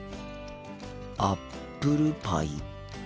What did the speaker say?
アップルパイ。